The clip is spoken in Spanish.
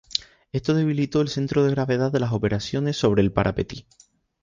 Esto debilitó el centro de gravedad de las operaciones sobre el Parapetí.